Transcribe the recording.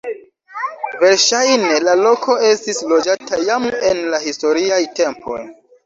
Verŝajne la loko estis loĝata jam en la historiaj tempoj.